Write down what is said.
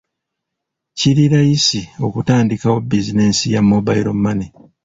Kiri layisi okutandikawo bizinensi ya mobile money.